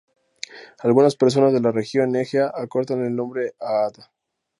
Algunas personas de la región egea acortan el nombre a Ada.